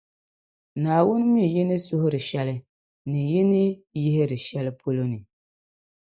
Naawuni mi yi ni sɔɣiri shɛli, ni yi ni yihiri shεli polo ni.